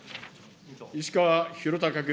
石川博崇君。